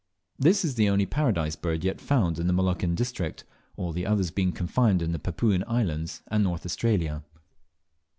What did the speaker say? This is the only Paradise Bird yet found in the Moluccan district, all the others being confined to the Papuan Islands and North Australia.